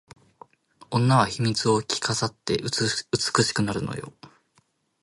女は秘密を着飾って美しくなるのよ